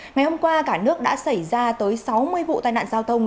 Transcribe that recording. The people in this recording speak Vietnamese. ngày hôm qua cả nước đã xảy ra tới sáu mươi vụ tai nạn giao thông